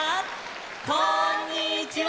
こんにちは！